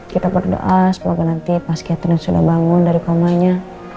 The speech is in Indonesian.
kita berdoa semoga nanti pas catherine sudah bangun dari komanya